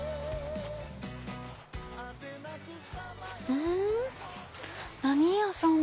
うん？